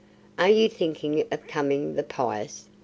"Are you thinking of coming the pious?"